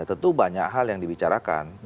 tentu banyak hal yang dibicarakan